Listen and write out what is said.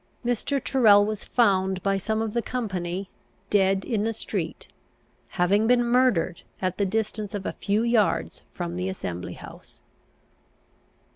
Mr. Tyrrel was found by some of the company dead in the street, having been murdered at the distance of a few yards from the assembly house.